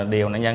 điều nạn nhân